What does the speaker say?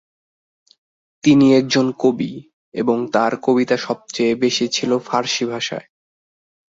তিনি একজন কবি এবং তার কবিতা সবচেয়ে বেশি ছিল ফার্সি ভাষায়।